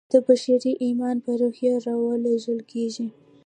چې د بشپړ ايمان په روحيه ورلېږل کېږي.